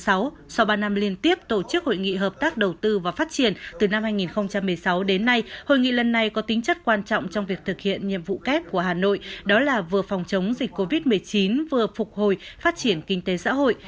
sau ba năm liên tiếp tổ chức hội nghị hợp tác đầu tư và phát triển từ năm hai nghìn một mươi sáu đến nay hội nghị lần này có tính chất quan trọng trong việc thực hiện nhiệm vụ kép của hà nội đó là vừa phòng chống dịch covid một mươi chín vừa phục hồi phát triển kinh tế xã hội